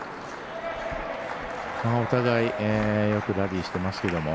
お互いよくラリーしてますけど。